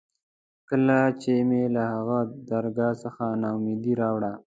کله چې مې له هماغه درګاه څخه نا اميدي راوړه.